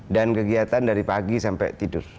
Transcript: dan kegiatan dari pagi sampai tidur